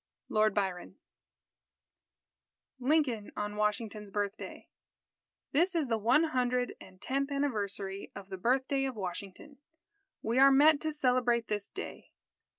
_ LORD BYRON LINCOLN ON WASHINGTON'S BIRTHDAY _This is the one hundred and tenth anniversary of the birthday of Washington. We are met to celebrate this day.